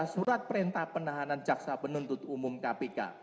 surat perintah penahanan jaksa penuntut umum kpk